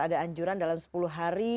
ada anjuran dalam sepuluh hari